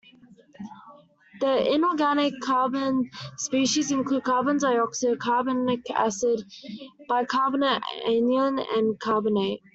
The inorganic carbon species include carbon dioxide, carbonic acid, bicarbonate anion, and carbonate.